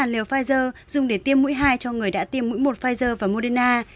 một trăm linh liều pfizer dùng để tiêm mũi hai cho người đã tiêm mũi một pfizer và moderna